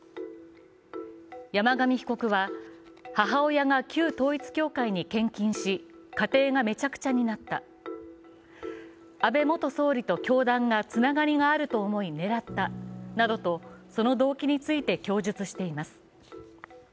山上被告は母親が旧統一教会に献金し、家庭がめちゃくちゃになった安倍元総理と教団がつながりがあると思い、狙ったなどとその動機について供述しています。